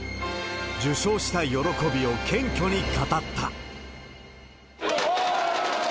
受賞した喜びを謙虚に語った。